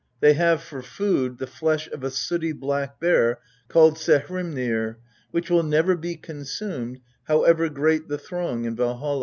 They have for food the flesh of a sooty black boar called Saehrimnir, which will never be consumed, however great the throng in Valholl.